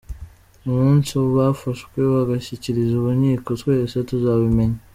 Umunsi bafashwe bagashyikirizwa inkiko twese tuzabimenya.”